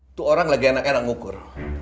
itu orang lagi enak enak ngukur